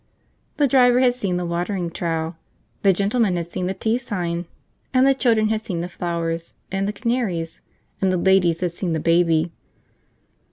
The driver had seen the watering trough, the gentlemen had seen the tea sign, the children had seen the flowers and the canaries, and the ladies had seen the baby.